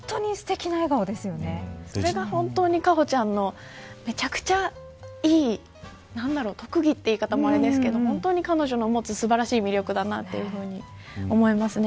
それが本当に、果歩ちゃんのめちゃくちゃいい特技という言い方もあれですけど彼女のもつ素晴らしい魅力だなと思いますね。